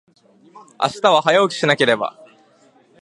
明日は、早起きしなければ。